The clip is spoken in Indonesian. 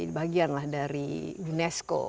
jadi bagian lah dari unesco